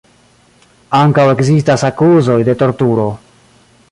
Ankaŭ ekzistas akuzoj de torturo.